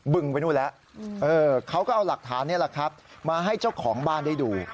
ึงไปนู่นแล้วเขาก็เอาหลักฐานนี่แหละครับมาให้เจ้าของบ้านได้ดู